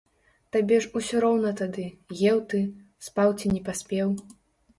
Табе ж усё роўна тады, еў ты, спаў ці не паспеў.